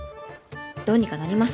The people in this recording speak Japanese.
どうにかなります。